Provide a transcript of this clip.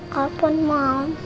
kau pun ma